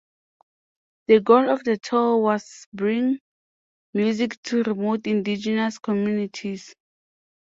The goal of the tour was bring music to remote indigenous communities.